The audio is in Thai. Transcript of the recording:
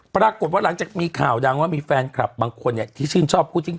ปรากฏว่าหลังจากมีข่าวดังว่ามีแฟนคลับบางคนเนี่ยที่ชื่นชอบคู่จิ้น